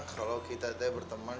kalau kita berteman